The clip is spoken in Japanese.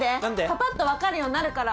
パパっと分かるようになるから。